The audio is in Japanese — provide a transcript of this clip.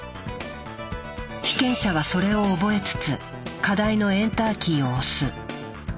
被験者はそれを覚えつつ課題のエンターキーを押す。